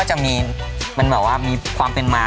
ชื่อว่ามีความเป็นมา